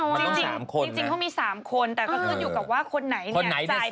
จริงเขามี๓คนแต่ก็ต้องอยู่กับว่าคนไหนจ่ายแพงสุด